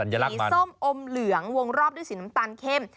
สีส้มอมเหลืองวงรอบด้วยสีน้ำตาลเข้ม